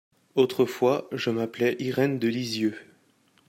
Autrefois, je m’appelais Irène de Lysieux.